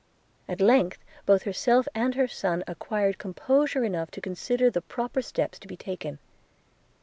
At length both herself and her son acquired composure enough to consider of the proper steps to be taken.